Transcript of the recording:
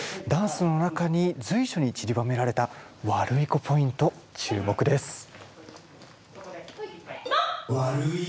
ダンスの中に随所にちりばめられたワルイコポイント注目です。